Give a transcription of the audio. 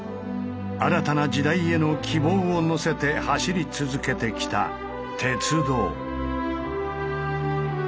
新たな時代への希望を乗せて走り続けてきた「鉄道」。